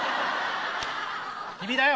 君だよ。